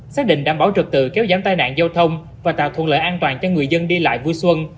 xác định đảm bảo trực tự kéo giảm tai nạn giao thông và tạo thuận lợi an toàn cho người dân đi lại vui xuân